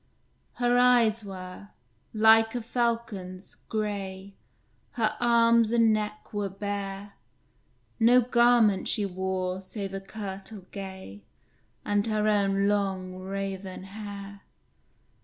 Her eyes were, like a falcon's, gray, Her arms and neck were bare; No garment she wore save a kirtle gay, And her own long, raven hair.